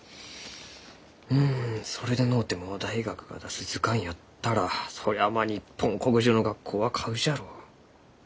うんそれでのうても大学が出す図鑑やったらそりゃまあ日本国中の学校は買うじゃろう。